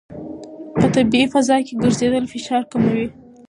په طبیعي فضا کې ګرځېدل فشار کموي.